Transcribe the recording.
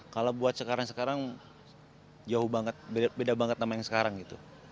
kalau buat sekarang sekarang jauh banget beda banget sama yang sekarang gitu